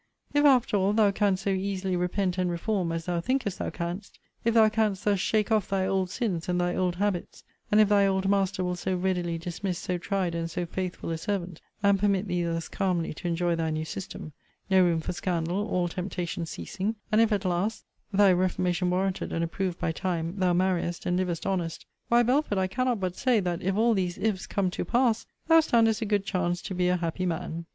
] If, after all, thou canst so easily repent and reform, as thou thinkest thou canst: if thou canst thus shake off thy old sins, and thy old habits: and if thy old master will so readily dismiss so tried and so faithful a servant, and permit thee thus calmly to enjoy thy new system; no room for scandal; all temptation ceasing: and if at last (thy reformation warranted and approved by time) thou marriest, and livest honest: why, Belford, I cannot but say, that if all these IF's come to pass, thou standest a good chance to be a happy man!